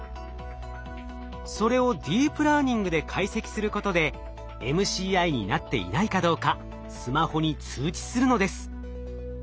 それをディープラーニングで解析することでＭＣＩになっていないかどうかスマホに通知するのです。